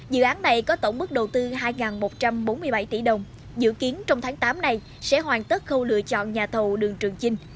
dự án này có tổng mức đầu tư hai một trăm bốn mươi bảy tỷ đồng dự kiến trong tháng tám này sẽ hoàn tất khâu lựa chọn nhà thầu đường trường chinh